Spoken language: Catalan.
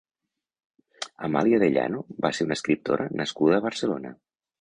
Amalia de Llano va ser una escriptora nascuda a Barcelona.